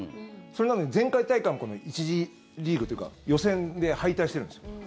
それなのに前回大会も１次リーグというか予選で敗退してるんですよ。